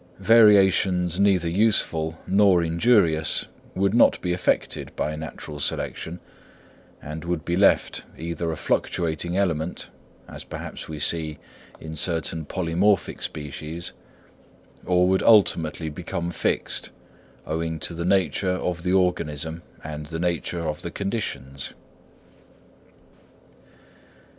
Variations neither useful nor injurious would not be affected by natural selection, and would be left either a fluctuating element, as perhaps we see in certain polymorphic species, or would ultimately become fixed, owing to the nature of the organism and the nature of the conditions.